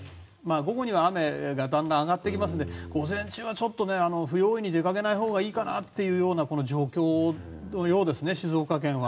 午後には雨がだんだん上がってきますので午前中は不用意に出かけないほうがいいかなという状況のようですね、静岡県は。